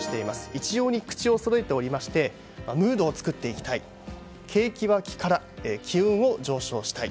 一様に口をそろえておりましてムードを作っていきたい景気は気から機運を醸成したい。